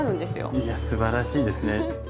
いやすばらしいですね。